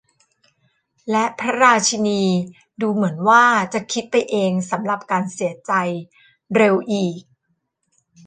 และพระราชินีดูเหมือนว่าจะคิดไปเองสำหรับการเสียใจ เร็วอีก !